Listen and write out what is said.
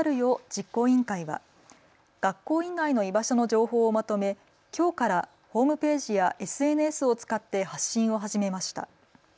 実行委員会は学校以外の居場所の情報をまとめきょうからホームページやＳＮＳを使って発信を始めました。